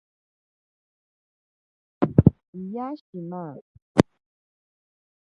Piya shima.